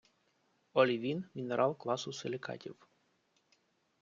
Олівін – мінерал класу силікатів.